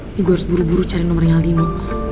ini gue harus buru buru cari nomernya aldino